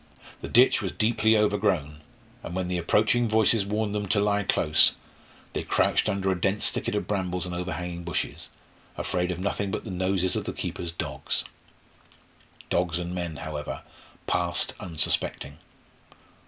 The ditch was deeply overgrown, and when the approaching voices warned them to lie close, they crouched under a dense thicket of brambles and overhanging bushes, afraid of nothing but the noses of the keepers' dogs. Dogs and men, however, passed unsuspecting.